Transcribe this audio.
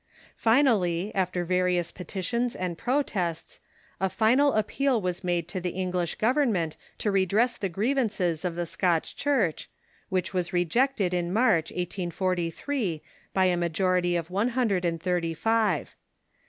Finally, after various petitions and protests, a final appeal was made to the English Govern ment to redress the grievances of the Scotch Church, which was rejected in March, 1843, by a majority of one hundred and thirty five.